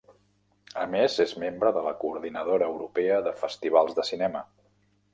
A més és membre de la Coordinadora Europea de Festivals de Cinema.